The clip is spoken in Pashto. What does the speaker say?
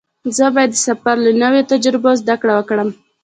زه باید د سفر له نویو تجربو زده کړه وکړم.